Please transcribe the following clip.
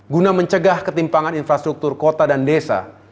guna mencegah ketimpangan infrastruktur kota dan desa